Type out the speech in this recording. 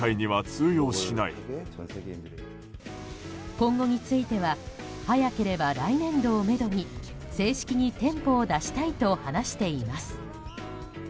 今後については早ければ来年度をめどに正式に店舗を出したいと話しています。